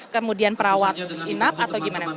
kemudian perawat inap atau gimana